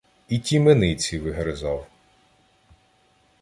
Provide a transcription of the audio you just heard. І тімениці вигризав.